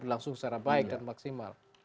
berlangsung secara baik dan maksimal